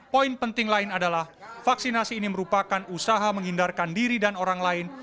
poin penting lain adalah vaksinasi ini merupakan usaha menghindarkan diri dan orang lain